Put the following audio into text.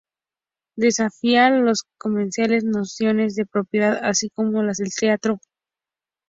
Desafía las convencionales nociones de propiedad así como las del teatro.